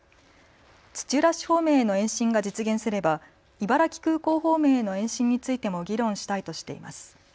土浦市方面への延伸が実現すれば茨城空港方面への延伸についても議論したいとしています。